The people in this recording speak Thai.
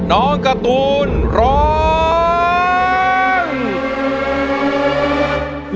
น้องการ์ตูนร้อง